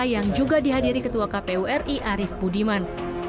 yang juga dihadiri ketua kpu ri arief budiman